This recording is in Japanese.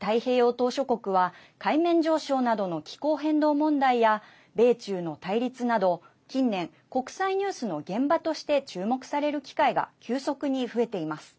島しょ国は海面上昇などの気候変動問題や米中の対立など近年、国際ニュースの現場として注目される機会が急速に増えています。